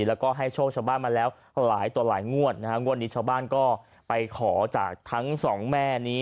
แล้วก็ให้โชคชาวบ้านมาแล้วหลายต่อหลายงวดนะฮะงวดนี้ชาวบ้านก็ไปขอจากทั้งสองแม่นี้